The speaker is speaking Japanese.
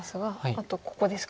あとここですか。